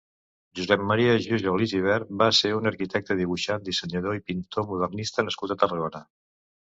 Josep Maria Jujol i Gibert va ser un arquitecte, dibuixant, dissenyador i pintor modernista nascut a Tarragona.